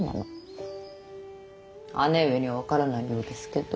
姉上には分からないようですけど。